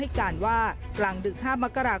จุดฝังศพสมเนติศาสตร์จังหวัดนครศรีธรรมราช